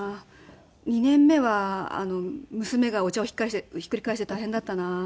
２年目は娘がお茶をひっくり返して大変だったな。